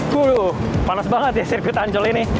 wuh panas banget ya sirkuit ancol ini